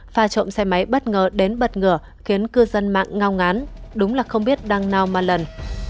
pha trộm xe máy bất ngờ đến bật ngửa khiến cư dân mạng ngao ngán đúng là không biết đang nào mà lần